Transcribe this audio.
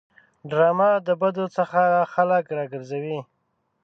ډرامه د بدو څخه خلک راګرځوي